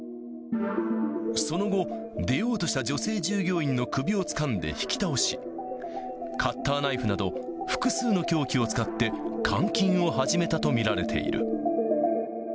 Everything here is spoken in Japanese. その後、出ようとした女性従業員の首をつかんで引き倒し、カッターナイフなど、複数の凶器を使って、監禁を始めたと見られている。